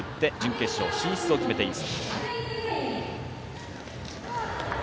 克を破って準決勝進出を決めています。